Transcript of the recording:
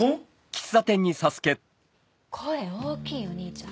結婚⁉声大きいお兄ちゃん。